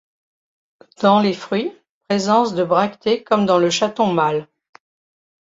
Dans les fruits, présence de bractées comme dans le chaton mâle.